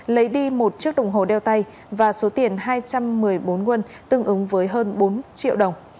lấy đi một chiếc đồng hồ đeo tay và số tiền hai trăm một mươi bốn won tương ứng với hơn bốn triệu đồng